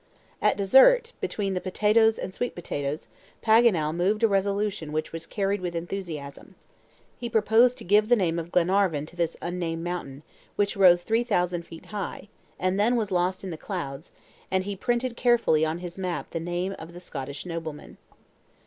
At dessert, between the potatoes and sweet potatoes, Paganel moved a resolution which was carried with enthusiasm. He proposed to give the name of Glenarvan to this unnamed mountain, which rose 3,000 feet high, and then was lost in the clouds, and he printed carefully on his map the name of the Scottish nobleman.